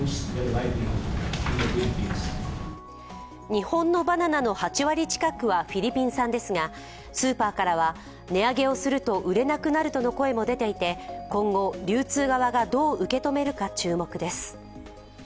日本のバナナの８割近くはフィリピン産ですが、スーパーからは、値上げをすると売れなくなるとの声も出ていて、今後、流通側がどう受け止めるか注目です。